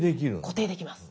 固定できます。